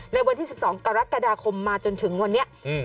ในวันที่สิบสองกรกฎาคมมาจนถึงวันนี้อืม